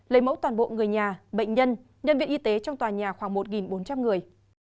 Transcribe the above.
lấy mẫu toàn bộ người nhà bệnh nhân nhân viên y tế trong tòa nhà khoảng một bốn trăm linh người